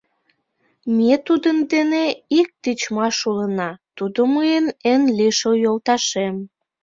Ме тудын дене ик тичмаш улына, тудо мыйын эн лишыл йолташем.